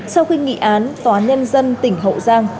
sau khi nghị án tòa án nhân dân tỉnh hậu giang